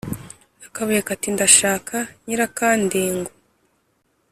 akabuye kati: «ndashaka nyirakandengu